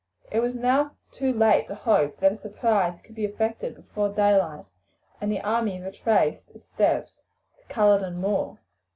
It was now too late to hope that a surprise could be effected before daylight, and the army retraced its steps to Culloden Moor.